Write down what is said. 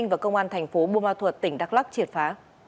và công an tp bumatut tỉnh đắk lắc triệt phá